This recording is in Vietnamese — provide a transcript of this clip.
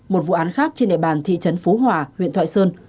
một vụ án khác trên địa bàn thị trấn phú hòa huyện thoại sơn